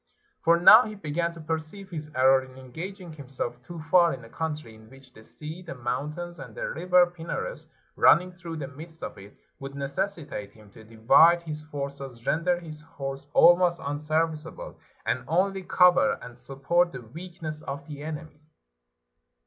For now he began to perceive his error in engaging himself too far in a country in which the sea, the mountains, and the river Pinarus nmning through the midst of it, would necessi tate him to divide his forces, render his horse almost unserviceable, and only cover and support the weakness of the enemy.